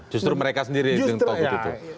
justru mereka sendiri yang ditutup